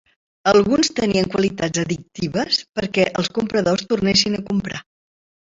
Alguns tenien qualitats addictives perquè els compradors tornessin a comprar.